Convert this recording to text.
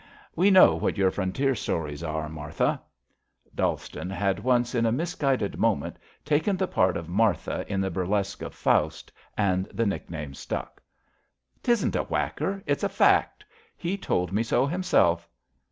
We know what your Frontier stories are, Martha/' Dallston had once, in a misguided moment, taken the part of Martha in the burlesque of Faust, and the nickname stuck. 'Tisn't a whacker, it's a fact. He told me so himself.''